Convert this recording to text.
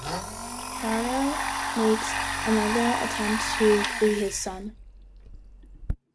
Dardo makes another attempt to free his son.